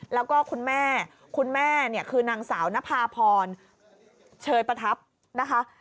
แล้วก็คุณแม่คุณแม่เนี่ยคือนางสาวนภาพรเชยประทับนะคะ